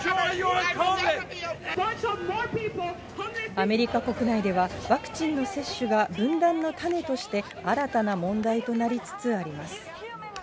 アメリカ国内では、ワクチンの接種が分断の種として新たな問題となりつつあります。